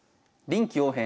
「臨機応変！